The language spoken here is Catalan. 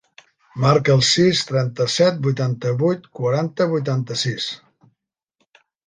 Marca el sis, trenta-set, vuitanta-vuit, quaranta, vuitanta-sis.